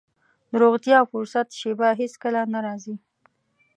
د روغتيا او فرصت شېبه هېڅ کله نه راځي.